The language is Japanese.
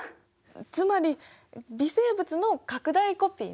つまり微生物の拡大コピーね。